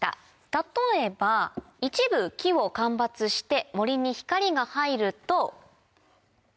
例えば一部木を間伐して森に光が入ると。